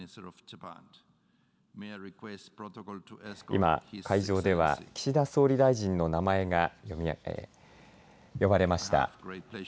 今、会場では岸田総理大臣の名前が呼ばれました。